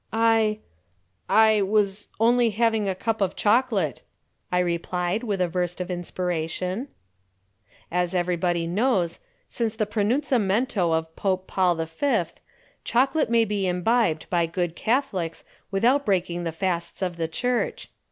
"I I was only having a cup of chocolate," I replied, with a burst of inspiration. As everybody knows, since the pronunciamento of Pope Paul V., chocolate may be imbibed by good Catholics without breaking the fasts of the Church.